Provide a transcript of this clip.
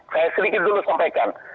saya sedikit dulu sampaikan